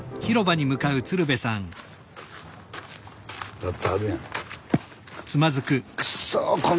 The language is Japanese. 歌ってはるやん。